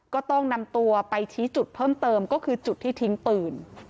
ก็ต้องนำตัวไปชี้จุดเพิ่มเติมก็คือจุดที่ทิ้งปืน